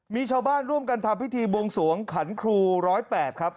มีชาวบ้านร่วมกันทำพิธีบวงสวงขันครู๑๐๘ครับ